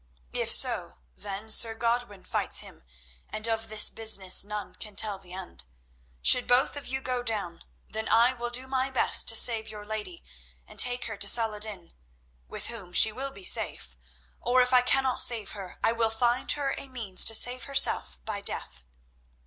If so, then Sir Godwin fights him, and of this business none can tell the end. Should both of you go down, then I will do my best to save your lady and take her to Salah ed din, with whom she will be safe, or if I cannot save her I will find her a means to save herself by death."